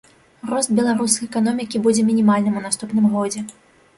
Рост беларускай эканомікі будзе мінімальным у наступным годзе.